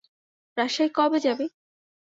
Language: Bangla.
রাজশাহী কবে যাবি?